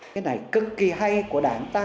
cái này cực kỳ hay của đảng ta